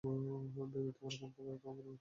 Baby, তোমার phone টা দেও তো, আমার ব্যাটারি শেষ।